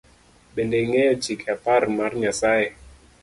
Bende ing’eyo chike apar mar Nyasaye?